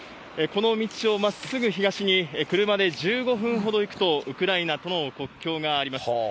この道をまっすぐ東に車で１５分ほど行くと、ウクライナとの国境があります。